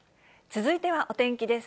続いてはお天気です。